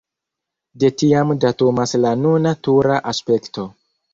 De tiam datumas la nuna tura aspekto.